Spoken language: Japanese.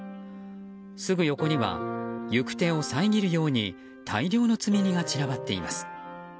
すぐ横には行く手を遮るように大量の積み荷が散らばっています。